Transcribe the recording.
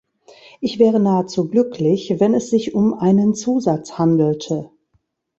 Ich wäre nahezu glücklich, wenn es sich um einen Zusatz handelte.